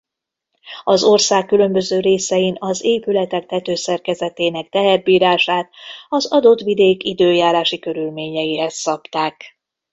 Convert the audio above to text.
Az ország különböző részein az épületek tetőszerkezetének teherbírását az adott vidék időjárási körülményeihez szabták.